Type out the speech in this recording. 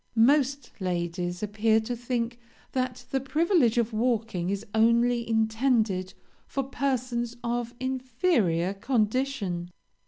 Most ladies appear to think that the privilege of walking is only intended for persons of inferior condition.